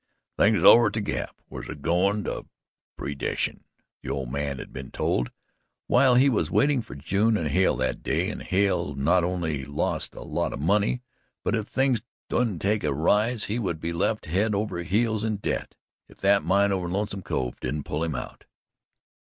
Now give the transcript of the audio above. Things over at the Gap "was agoin' to perdition," the old man had been told, while he was waiting for June and Hale that day, and Hale had not only lost a lot of money, but if things didn't take a rise, he would be left head over heels in debt, if that mine over in Lonesome Cove didn't pull him out.